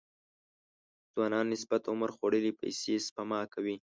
ځوانانو نسبت عمر خوړلي پيسې سپما کوي.